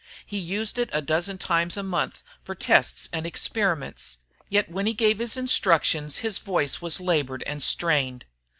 He used it a dozen times a month for tests and experiments, yet when he gave his instructions his voice was labored and strained.